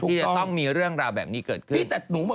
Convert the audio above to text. ที่จะต้องมีเรื่องราวแบบนี้เกิดขึ้น